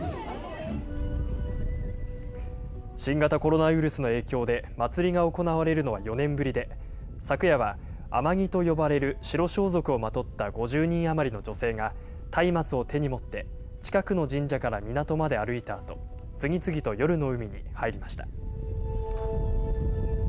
新型コロナウイルスの影響で、祭りが行われるのは４年ぶりで、昨夜は海女着と呼ばれる白装束をまとった５０人余りの女性が、たいまつを手に持って、近くの神社から港まで歩いたあと、次々と夜の海に入りました。